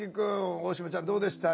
大島ちゃんどうでした？